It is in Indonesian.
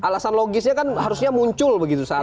alasan logisnya kan harusnya muncul begitu